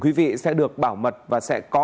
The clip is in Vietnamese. quý vị sẽ được bảo mật và sẽ có